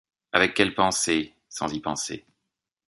Avec quelle pensée? sans y penser.